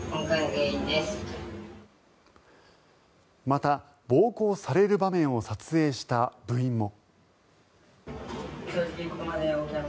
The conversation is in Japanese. また、暴行される場面を撮影した部員も。